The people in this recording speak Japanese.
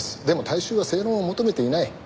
でも大衆は正論を求めていない。